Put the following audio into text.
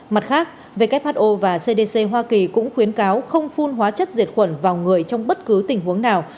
mặt khác who và cdc hoa kỳ cũng khuyến cáo không phun hóa chất diệt khuẩn vào người trong bất cứ tình huống nào